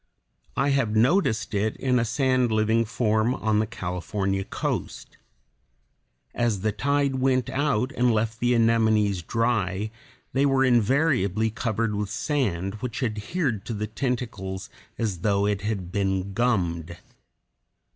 I have noticed it in a sand living form on the California coast. As the tide went out and left the anemones dry, they were invariably covered with sand which adhered to the tentacles as though it had been gummed.